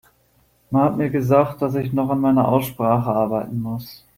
Man hat mir gesagt, dass ich noch an meiner Aussprache arbeiten muss.